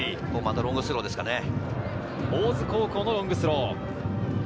大津高校のロングスロー。